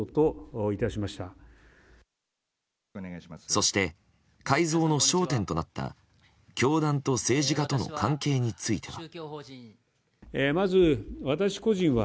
そして、改造の焦点となった教団と政治家との関係については。